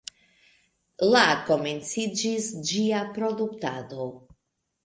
La komenciĝis ĝia produktado.